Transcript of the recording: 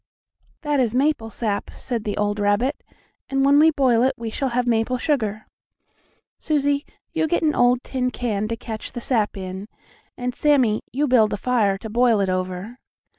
"That is maple sap," said the old rabbit, "and when we boil it we shall have maple sugar. Susie, you get an old tin can to catch the sap in, and Sammie, you build a fire to boil it over."